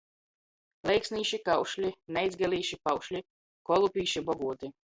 Leiksnīši kaušli, neicgalīši paušli – kolupīši boguoti.